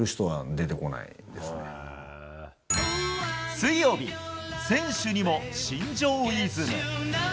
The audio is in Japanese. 水曜日、選手にも新庄イズム。